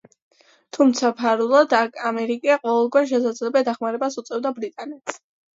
თუმცა ფარულად ამერიკა ყოველგვარ შესაძლებელ დახმარებას უწევდა ბრიტანეთს.